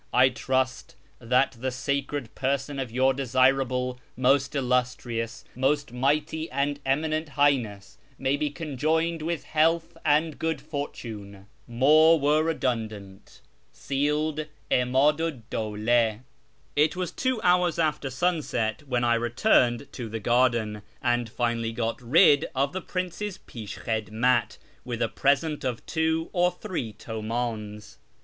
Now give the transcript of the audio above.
I trust that the sacred person of Your desirable, most illustrious, most mighty, and eminent Highness may be conjoined with health and good fortune. More were redundant." {Sealed) 'Imadu 'd Dawla. It was two hours after sunset when I returned to the garden, and finally got rid of the prince's jpishkkiclmat with a present of two or three Uimdns.